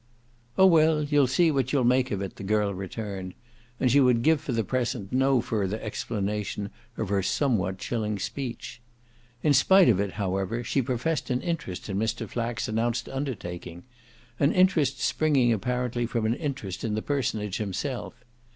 "Oh well, you'll see what you'll make of it," the girl returned; and she would give for the present no further explanation of her somewhat chilling speech. In spite if it however she professed an interest in Mr. Flack's announced undertaking an interest springing apparently from an interest in the personage himself.